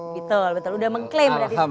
betul betul udah mengklaim dari secara resmi